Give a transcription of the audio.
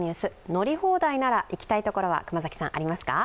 乗り放題なら行きたいところはありますか？